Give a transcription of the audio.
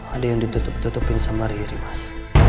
ada yang ditutup tutupin sama riri mas